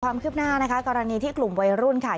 ความคืบหน้านะคะกรณีที่กลุ่มวัยรุ่นค่ะ